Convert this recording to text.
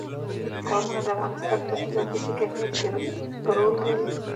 قومونه د افغانستان په ستراتیژیک اهمیت کې رول لري.